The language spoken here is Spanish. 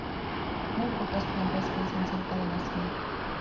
Muy pocas plantas crecen cerca de la cima.